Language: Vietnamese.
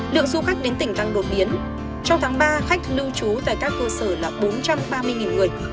lượng du khách đến tỉnh tăng đột biến trong tháng ba khách lưu trú tại các cơ sở là bốn trăm ba mươi người